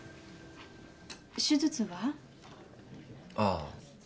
手術は？ああ。